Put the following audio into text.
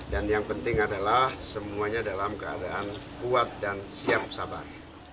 yang penting adalah semuanya dalam keadaan kuat dan siap sabar